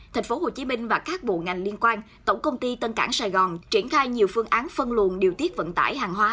tp hcm và các bộ ngành liên quan tổng công ty tân cảng sài gòn triển khai nhiều phương án phân luồn điều tiết vận tải hàng hóa